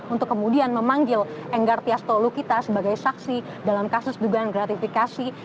untuk kemudian memanggil enggar tias tolu kita sebagai saksi dalam kasus dugaan gratifikasi